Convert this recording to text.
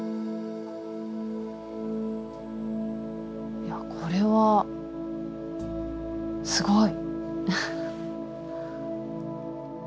いやこれはすごい！